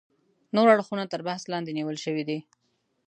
نور اړخونه تر بحث لاندې نیول شوي دي.